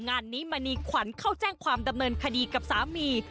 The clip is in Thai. งานนี้มณีขวัญเข้าแจ้งความดำเนินคดีกับสามี